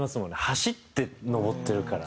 走って上ってるから。